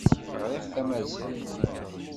Ɣriɣ tamaziɣt.